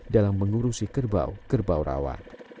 dalam mengurusi kerbau kerbau rawa